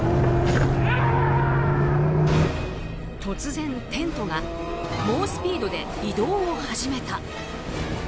突然、テントが猛スピードで移動を始めた。